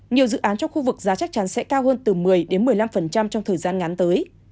nhiều dự án trong khu vực giá chắc chắn sẽ cao hơn từ một mươi một mươi năm trong thời gian ngắn tới